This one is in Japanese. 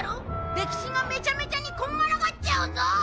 歴史がめちゃめちゃにこんがらがっちゃうぞ！